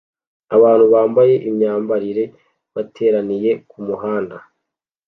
Abantu bambaye imyambarire bateraniye kumuhanda